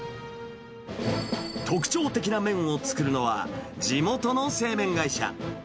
特徴的な麺を作るのは、地元の製麺会社。